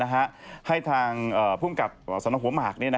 ให้ทางภูมิกับสนหัวหมาก